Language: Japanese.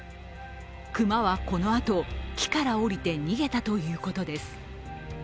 熊はこのあと、木から降りて逃げたということです。